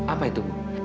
apa itu bu